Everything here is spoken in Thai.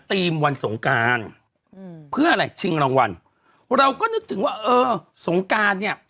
ทีมวันสงการอืมเพื่ออะไรชิงรางวัลเราก็นึกถึงว่าเออสงการเนี้ย